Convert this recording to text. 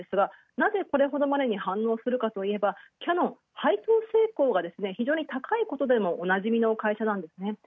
なぜこれほどまでに反応するかというとキヤノン、非常に高いことでもおなじみの会社なんですね。